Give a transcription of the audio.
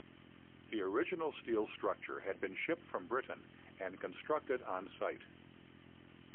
The original steel structure had been shipped from Britain and constructed on site.